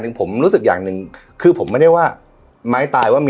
หนึ่งผมรู้สึกอย่างหนึ่งคือผมไม่ได้ว่าไม้ตายว่ามี